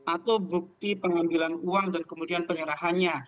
atau bukti pengambilan uang dan kemudian penyerahannya